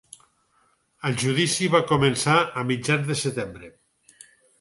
El judici va començar a mitjans de setembre.